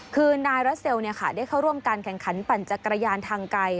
คือนายรัสเซลได้เข้าร่วมการแข่งขันปั่นจักรยานทางไกล